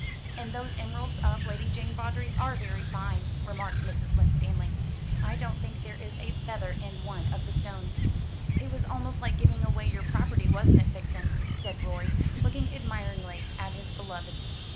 "And those emeralds of Lady Jane Vawdrey's are very fine," remarked Mrs. Winstanley. "I don't think there is a feather in one of the stones." "It was almost like giving away your property, wasn't it, Vixen?" said Rorie, looking admiringly at his beloved.